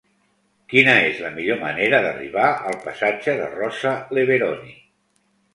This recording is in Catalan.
Quina és la millor manera d'arribar al passatge de Rosa Leveroni?